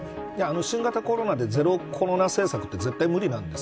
新型コロナでゼロコロナ政策って絶対、無理なんです。